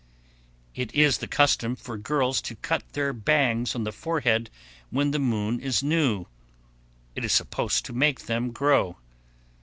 _ 1133. It is the custom for girls to cut their bangs on the forehead when the moon is new. It is supposed to make them grow.